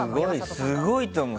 すごいと思うよ。